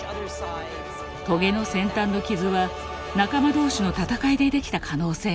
トゲの先端の傷は仲間同士の戦いでできた可能性があるのです。